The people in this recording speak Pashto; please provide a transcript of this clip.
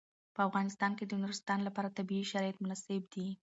په افغانستان کې د نورستان لپاره طبیعي شرایط مناسب دي.